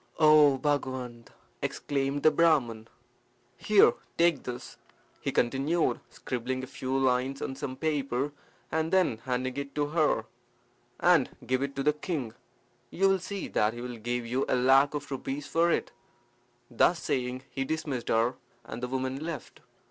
"O Bhagawant!" exclaimed the Brahman. "Here, take this," he continued, scribbling a few lines on some paper, and then handing it to her, "and give it to the king. You will see that he will give you a lac of rupees for it." Thus saying he dismissed her, and the woman left.